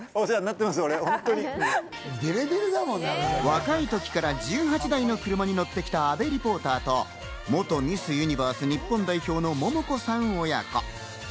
若い時から１８台の車に乗ってきた阿部リポーターと元ミスユニバース日本代表の桃子さん親子。